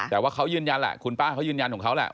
แต่ว่าเขายืนยันแหละคุณป้าเขายืนยันของเขาแหละ